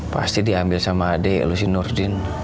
pasti diambil sama adik lo si nurdin